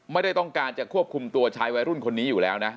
ไม่ได้ต้องการจะควบคุมตัวชายวัยรุ่นคนนี้อยู่แล้วนะ